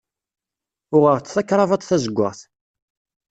Uɣeɣ-d takravat tazeggaɣt.